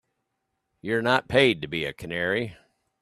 You're not paid to be a canary.